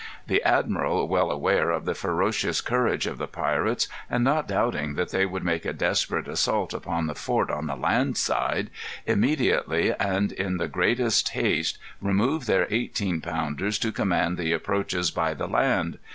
The admiral, well aware of the ferocious courage of the pirates, and not doubting that they would make a desperate assault upon the fort on the land side, immediately, and in the greatest haste, removed their eighteen pounders to command the approaches by the land.